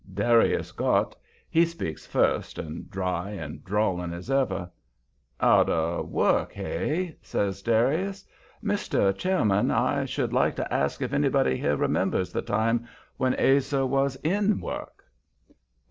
Darius Gott, he speaks first, and dry and drawling as ever. "Out of work, hey?" says Darius. "Mr. Chairman, I should like to ask if anybody here remembers the time when Ase was IN work?"